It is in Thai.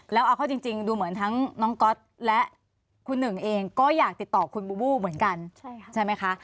แล้วเอาเข้าจริงดูเหมือนทั้งน้องก๊อตและคุณหนึ่งเองก็อยากติดต่อคุณบูบูเหมือนกันใช่ไหมคะ